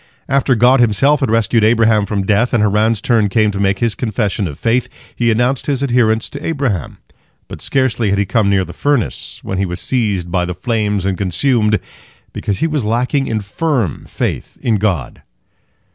After God Himself had rescued Abraham from death, and Haran's turn came to make his confession of faith, he announced his adherence to Abraham. But scarcely had he come near the furnace, when he was seized by the flames and consumed, because he was lacking in firm faith in God.